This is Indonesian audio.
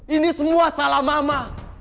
ini semua salah mama